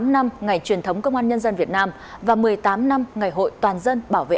một mươi năm năm ngày truyền thống công an nhân dân việt nam và một mươi tám năm ngày hội toàn dân bảo vệ